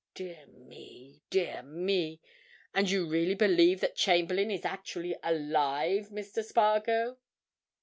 Dear me—dear me!—and you really believe that Chamberlayne is actually alive, Mr. Spargo?"